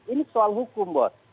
ini soal hukum bos